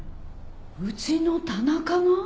うちの田中が？